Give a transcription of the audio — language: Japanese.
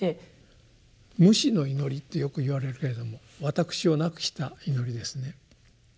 無私の祈りってよく言われるけれども私を無くした祈りですね。